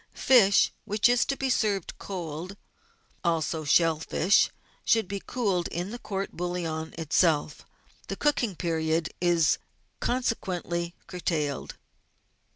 Fish which is to be served cold, also shell fish, should cool in the court bouillon itself; the cooking period is conse quently curtailed.